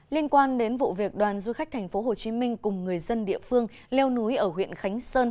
liên quan đến vụ việc đoàn du khách tp hcm cùng người dân địa phương leo núi ở huyện khánh sơn